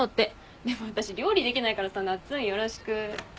でも私料理できないからさなっつんよろしく。